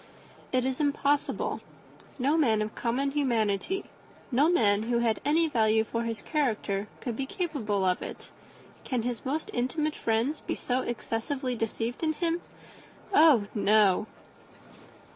It is impossible. No man of common humanity, no man who had any value for his character, could be capable of it. Can his most intimate friends be so excessively deceived in him? Oh no."